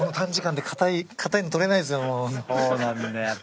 そうなんだよやっぱ。